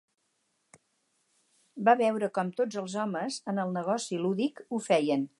Va veure com tots els homes en el negoci lúdic ho feien.